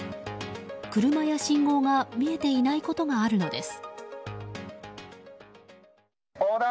車や信号が見えていないことがあるのです。